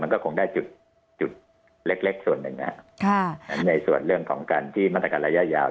ก็คงได้จุดจุดเล็กส่วนหนึ่งนะครับในส่วนเรื่องของการที่มาตรการระยะยาว